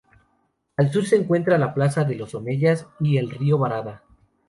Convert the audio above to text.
Al sur se encuentra la Plaza de los Omeyas y el Río Barada.